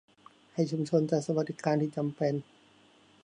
ให้ชุมชนจัดสวัสดิการที่จำเป็น